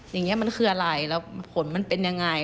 อย่างนี้มันคืออะไรแล้วผลมันเป็นยังไง